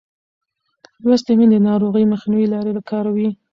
لوستې میندې د ناروغۍ مخنیوي لارې کاروي.